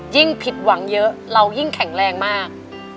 ยิ่งผิดหวังเยอะเรายิ่งแข็งแรงมาก